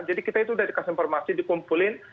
jadi kita itu udah dikasih informasi dikumpulin